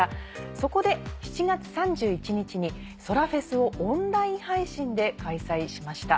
そこで７月３１日にそらフェスをオンライン配信で開催しました。